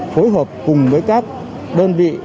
phối hợp cùng với các đơn vị